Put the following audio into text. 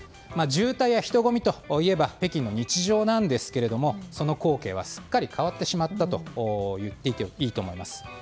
渋滞や人混みといえば北京の日常なんですがその光景はすっかり変わってしまったと言っていいと思います。